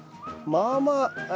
まあまあ。